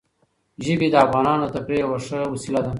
ژبې د افغانانو د تفریح یوه ښه وسیله ده.